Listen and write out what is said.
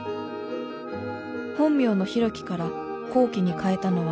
「本名の広樹から「こうき」に変えたのは」